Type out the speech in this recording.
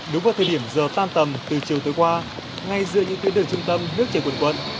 đúng vào thời điểm giờ tan tầm từ chiều tới qua ngay giữa những tuyến đường trung tâm nước trên quận quận